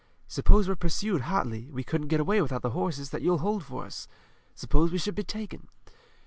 Suppose we're pursued hotly, we couldn't get away without the horses that you'll hold for us. Suppose we should be taken.